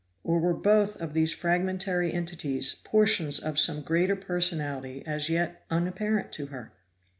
Or were both of these fragmentary entities, portions of some greater personality as yet unapparent to her?